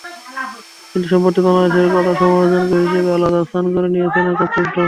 কিন্তু সম্প্রতি বাংলাদেশের কড়া সমালোচক হিসেবে আলাদা স্থান করে নিয়েছেন আকাশ চোপড়া।